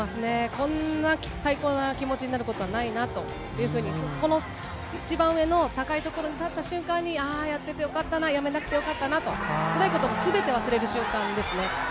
こんな最高な気持ちになることはないなというふうに、この一番上の高い所に立った瞬間にああ、やっててよかったな、やめなくてよかったなと、つらいこともすべて忘れる瞬間ですね。